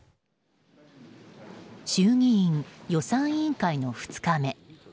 衆議院予算委員会の２日目。